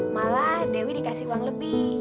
malah dewi dikasih uang lebih